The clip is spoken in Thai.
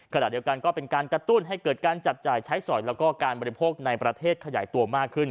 ขณะเดียวกันก็เป็นการกระตุ้นให้เกิดการจับจ่ายใช้สอยแล้วก็การบริโภคในประเทศขยายตัวมากขึ้น